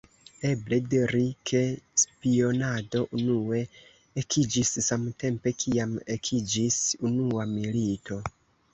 Eble diri, ke spionado unue ekiĝis samtempe, kiam ekiĝis unua milito.